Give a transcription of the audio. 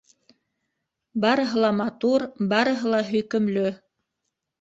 Барыһы ла матур, барыһы ла һөйкөмлө.